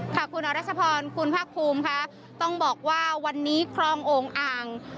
ค่ะคุณอรัชพรคุณภาคภูมิค่ะต้องบอกว่าวันนี้คลองโอ่งอ่าง